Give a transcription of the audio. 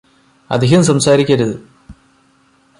അധികം സംസാരിക്കരുത്